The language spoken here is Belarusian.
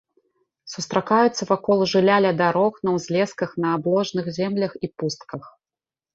Сустракаюцца вакол жылля ля дарог, на ўзлесках, на абложных землях і пустках.